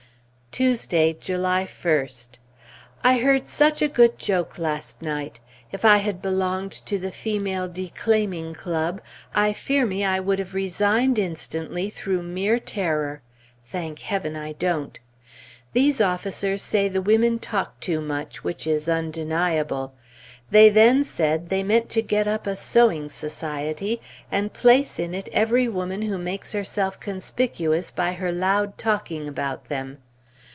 Tuesday, July 1st. I heard such a good joke last night! If I had belonged to the female declaiming club, I fear me I would have resigned instantly through mere terror. (Thank Heaven, I don't!) These officers say the women talk too much, which is undeniable. They then said, they meant to get up a sewing society, and place in it every woman who makes herself conspicuous by her loud talking about them.